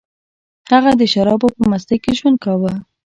هغه د شرابو په مستۍ کې ژوند کاوه